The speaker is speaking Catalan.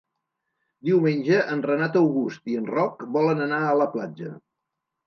Diumenge en Renat August i en Roc volen anar a la platja.